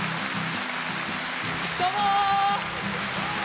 どうも。